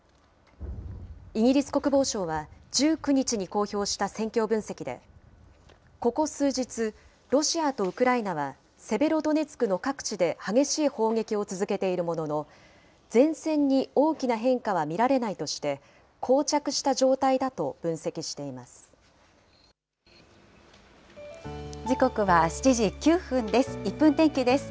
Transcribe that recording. イギリス国防省は１９日に公表した戦況分析で、ここ数日、ロシアとウクライナはセベロドネツクの各地で激しい砲撃を続けているものの、前線に大きな変化は見られないとして、こう着した状時刻は７時９分です。